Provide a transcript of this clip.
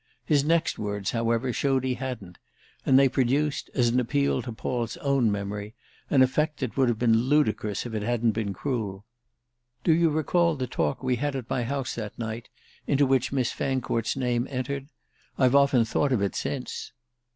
His next words, however, showed he hadn't, and they produced, as an appeal to Paul's own memory, an effect which would have been ludicrous if it hadn't been cruel. "Do you recall the talk we had at my house that night, into which Miss Fancourt's name entered? I've often thought of it since."